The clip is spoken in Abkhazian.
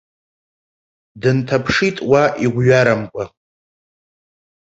Дынҭаԥшит уа игәҩарамкәа.